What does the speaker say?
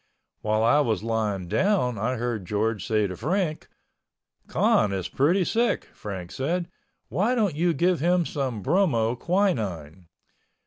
While I was lying down I heard George say to Frank, "Con is pretty sick," Frank said, "Why don't you give him some bromo quinine?"